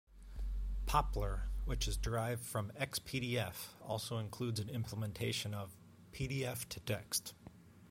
Poppler, which is derived from Xpdf, also includes an implementation of pdftotext.